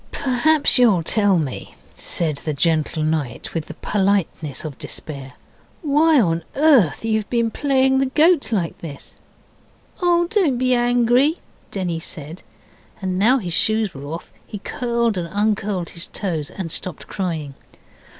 'Perhaps you'll tell me,' said the gentle knight, with the politeness of despair, 'why on earth you've played the goat like this?' 'Oh, don't be angry,' Denny said; and now his shoes were off, he curled and uncurled his toes and stopped crying.